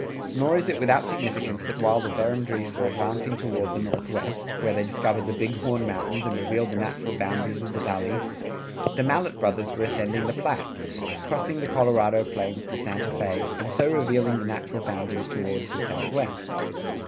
Nor is it without significance that while the Verendryes were advancing toward the northwest (where they discovered the Big Horn Mountains and revealed the natural boundaries of the Valley) the Mallet brothers were ascending the Platte, crossing the Colorado plains to Santa Fé and so revealing the natural boundaries toward the southwest.